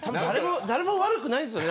誰も悪くないんですよ